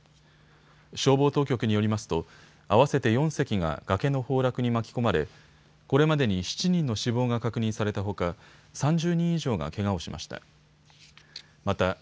消防当局によりますと合わせて４隻が崖の崩落に巻き込まれこれまでに７人の死亡が確認されたほか３０人以上がけがをしました。